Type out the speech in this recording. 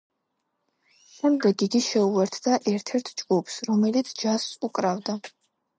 შემდეგ იგი შეუერთდა ერთ-ერთ ჯგუფს, რომელიც ჯაზს უკრავდა.